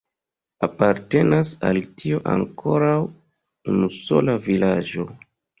Apartenas al tio ankoraŭ unusola vilaĝo.